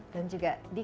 dan juga di